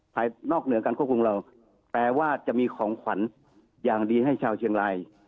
นอกเหนือการควบคุมเราแปลว่าจะมีของขวัญอย่างดีให้ชาวเชียงราย